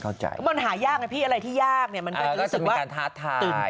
ก็จะมีการท้าทาย